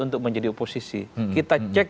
untuk menjadi oposisi kita cek